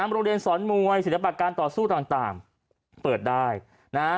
โรงเรียนสอนมวยศิลปะการต่อสู้ต่างเปิดได้นะฮะ